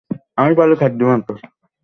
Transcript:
তুমি বীরত্ব দেখাতে ঘুরে বেড়াচ্ছ?